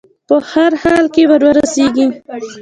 په هر حال کې وررسېږي.